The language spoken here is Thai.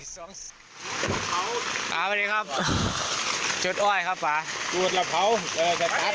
สวัสดีครับจุดอ้อยครับป่า